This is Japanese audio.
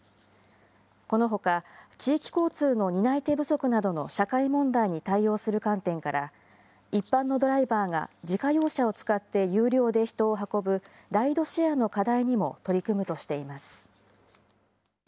このほか、地域交通の担い手不足などの社会問題に対応する観点から、一般のドライバーが自家用車を使って有料で人を運ぶライドシェアの課題にも取り組むとしています。